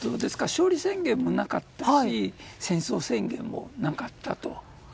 勝利宣言もなかったし戦争宣言もなかったと。